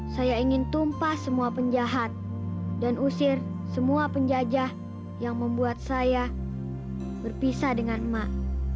saya ingin tumpah semua penjahat dan usir semua penjajah yang membuat saya berpisah dengan emak